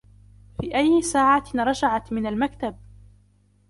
في أي ساعة رجعت من المكتب ؟